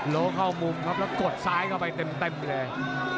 โลเข้ามุมครับแล้วกดซ้ายเข้าไปเต็มเลย